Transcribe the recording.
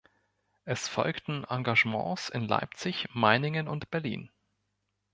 Es folgten Engagements in Leipzig, Meiningen und Berlin.